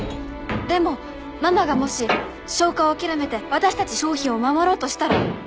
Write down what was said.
でもママがもし消火を諦めて私たち商品を守ろうとしたら？